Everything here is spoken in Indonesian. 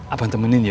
abang temenin ya